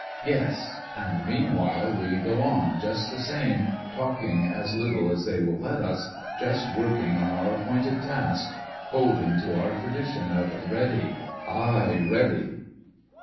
"Yes. And meanwhile we go on just the same, talking as little as they will let us—just working on our appointed task: holding to our tradition of 'Ready, Aye Ready!